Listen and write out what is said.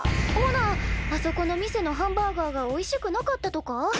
ほなあそこの店のハンバーガーがおいしくなかったとか？